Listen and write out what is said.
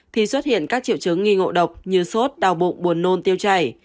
thì xuất hiện các triệu chứng nghi ngộ độc như sốt đau bụng buồn nôn tiêu chảy